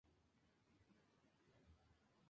Lima: s.p.